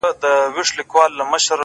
• ماته ژړا نه راځي کله چي را یاد کړم هغه،